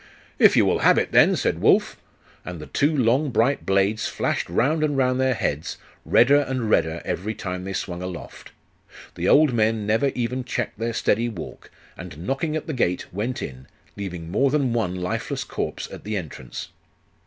'If you will have it, then!' said Wulf. And the two long bright blades flashed round and round their heads, redder and redder every time they swung aloft.... The old men never even checked their steady walk, and knocking at the gate, went in, leaving more than one lifeless corpse at the entrance.